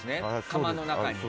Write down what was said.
釜の中に。